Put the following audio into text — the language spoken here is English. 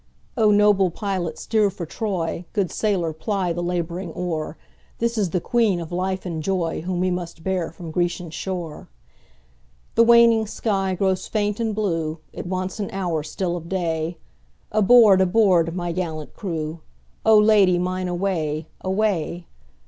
O noble pilot steer for Troy, Good sailor ply the labouring oar, This is the Queen of life and joyWhom we must bear from Grecian shore! The waning sky grows faint and blue, It wants an hour still of day, Aboard! aboard! my gallant crew,O Lady mine away! away!